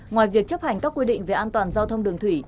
ngoài việc chấp hành các quy định về an toàn giao thông đường thủy